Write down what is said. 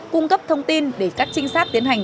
cung cấp thông tin để các trinh sát tiến hành